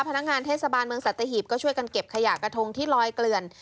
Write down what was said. พนักงานเทศบาลเมืองสัตหีบก็ช่วยกันเก็บขยะกระทงที่ลอยเกลื่อน